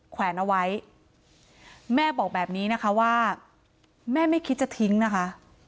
แขวนเอาไว้แม่บอกแบบนี้นะคะว่าแม่ไม่คิดจะทิ้งนะคะ